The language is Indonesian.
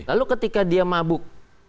lalu ketika dia mabuk